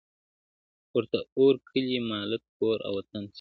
ورته اور كلى- مالت- كور او وطن سي-